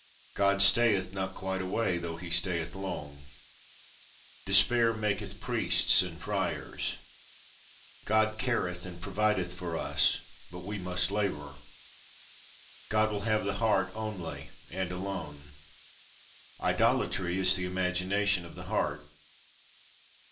God stayeth not quite away, though he stayeth long. Despair maketh Priests and Friars. God careth and provideth for us, but we must labour. God will have the heart only and alone. Idolatry is the imagination of the heart.